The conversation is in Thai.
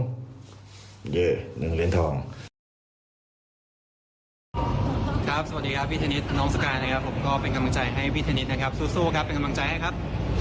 สวัสดีครับสวัสดีครับพี่เทนนิสน้องสกายนะครับผมก็เป็นกำลังใจให้พี่เทนนิสนะครับสู้ครับเป็นกำลังใจให้ครับ